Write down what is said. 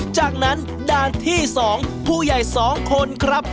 จากนั้นด่านที่๒ผู้ใหญ่๒คนครับ